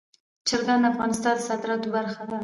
چرګان د افغانستان د صادراتو برخه ده.